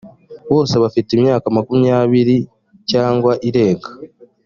bose bafite imyaka makumyabiri cyangwa irenga.